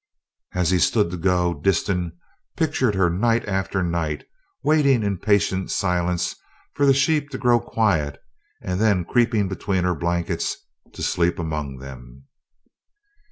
As he stood to go, Disston pictured her night after night waiting in patient silence for the sheep to grow quiet and then creeping between her blankets to sleep among them.